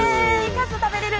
かす食べれる！